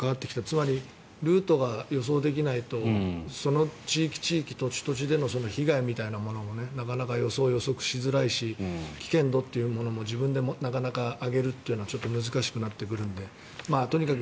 つまりルートが予想できないとその地域地域、土地土地での被害みたいなものもなかなか予測しづらいし危険度というものも自分でなかなか上げるというのはちょっと難しくなってくるのでとにかく